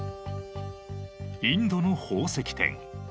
インドの宝石店。